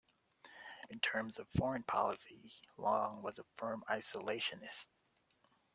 In terms of foreign policy, Long was a firm isolationist.